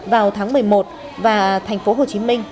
vào tháng một mươi một và thành phố hồ chí minh